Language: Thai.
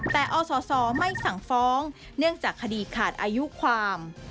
แต่อศไม่สั่งฟ้องเนื่องจากคดีขาดอายุความ